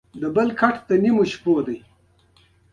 چې مجبور دي په خوشبینۍ کې ژوند وکړي.